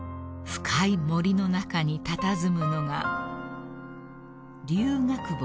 ［深い森の中にたたずむのが龍ヶ窪です］